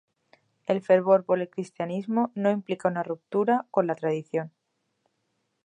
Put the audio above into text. El fervor por el cristianismo no implica una ruptura con la tradición.